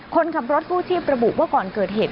คนขับรถกู้ชีพระบุว่าก่อนเกิดเหตุ